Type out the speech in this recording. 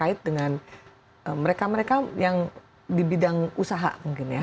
jadi itu kan yang pertama merasakan adalah terkait dengan mereka mereka yang di bidang usaha mungkin ya